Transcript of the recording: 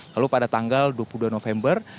lalu pada tanggal dua puluh dua november